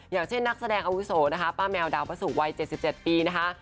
อย่างเช่นนักแสดงอาวุโสนะคะป้าแมวดาวพระสุกวัย๗๗ปีนะคะ